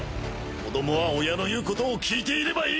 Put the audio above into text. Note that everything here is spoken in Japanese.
子どもは親の言うことを聞いていればいいんだ！